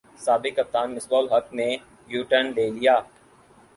سابق کپتان مصباح الحق نے یوٹرن لے لیا